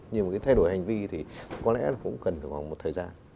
nhưng mà cái thay đổi hành vi thì có lẽ là cũng cần phải vòng một thời gian